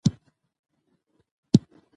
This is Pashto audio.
ایا تاسو د فش رول تجربه کړې ده؟